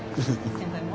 先輩も。